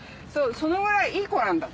そのぐらいいい子なんだと。